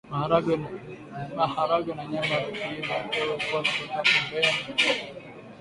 Maharage na nyama vikiiva kidogo ipua na kuweka pembeni